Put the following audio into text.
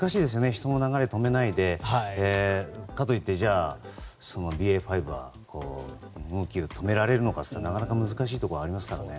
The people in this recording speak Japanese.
人の流れを止めないでかといって、ＢＡ．５は動きを止められるのかといったらなかなか難しいところがありますからね。